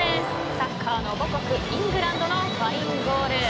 サッカーの母国イングランドのファインゴール。